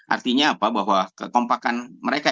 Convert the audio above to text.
artinya apa bahwa kekompakan mereka